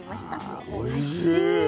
はおいしい！